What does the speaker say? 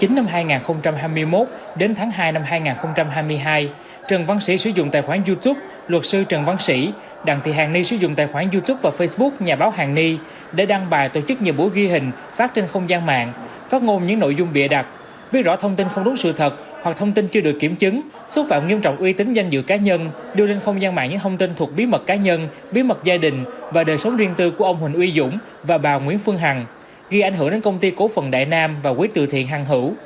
chín năm hai nghìn hai mươi một đến tháng hai năm hai nghìn hai mươi hai trần văn sĩ sử dụng tài khoản youtube luật sư trần văn sĩ đặng thị hàn ni sử dụng tài khoản youtube và facebook nhà báo hàn ni để đăng bài tổ chức nhiều buổi ghi hình phát trên không gian mạng phát ngôn những nội dung bịa đặt biết rõ thông tin không đúng sự thật hoặc thông tin chưa được kiểm chứng xúc phạm nghiêm trọng uy tín danh dự cá nhân đưa lên không gian mạng những thông tin thuộc bí mật cá nhân bí mật gia đình và đời sống riêng tư của ông huỳnh uy dũng và bà nguyễn phương hằng ghi ảnh hưởng đến công